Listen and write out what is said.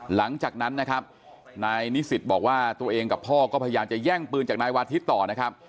หลังจากนั้นนะครับนายนิสิตบอกว่าตัวเองกับพ่อก็พยายามจะแย่งปืนจากนายวาทิศต่อนะครับ